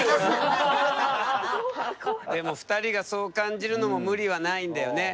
でも２人がそう感じるのも無理はないんだよね。